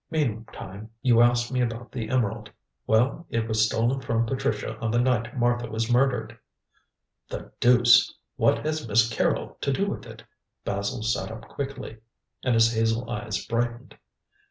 Meantime, you ask about the emerald. Well, it was stolen from Patricia on the night Martha was murdered." "The deuce! What has Miss Carrol to do with it?" Basil sat up quickly, and his hazel eyes brightened.